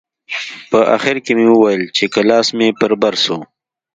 په اخر کښې مې وويل چې که لاس مې پر بر سو.